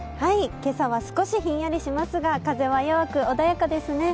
今朝は少しひんやりしますが、風は弱く穏やかですね。